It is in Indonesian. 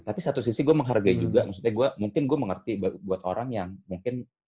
tapi satu sisi gue menghargai juga mungkin gue mengerti buat orang yang mungkin